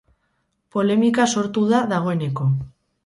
Polemika sortu da dagoeneko.